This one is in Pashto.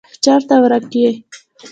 چیرته ورک یې.